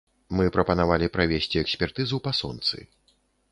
Мы прапанавалі правесці экспертызу па сонцы.